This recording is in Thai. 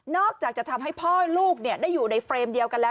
อกจากจะทำให้พ่อลูกได้อยู่ในเฟรมเดียวกันแล้ว